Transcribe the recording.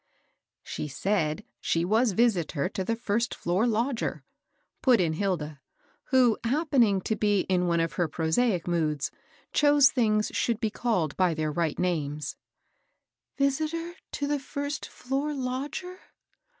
" She said she was visitor to the first floor lodg er," put in Hilda, who happening to be in one of her prosaic moods, chose things should be called by their right names.